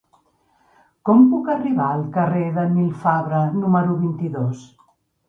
Com puc arribar al carrer de Nil Fabra número vint-i-dos?